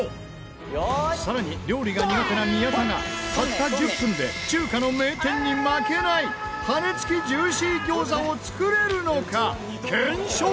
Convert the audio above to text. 更に料理が苦手な宮田がたった１０分で中華の名店に負けない羽根付きジューシー餃子を作れるのか検証！